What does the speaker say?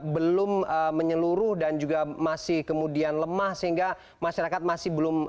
seratus satu ratus lima puluh bed untuk menampung pasien covid sembilan belas yang terus bertambah